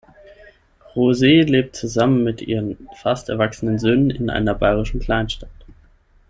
Rose lebt zusammen mit ihren fast erwachsenen Söhnen in einer bayerischen Kleinstadt.